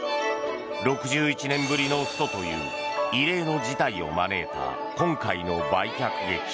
６１年ぶりのストという異例の事態を招いた今回の売却劇。